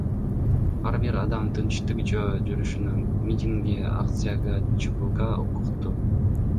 Ар бир адам тынчтык жөө жүрүшүнө, митингге, акцияга чыгууга укуктуу.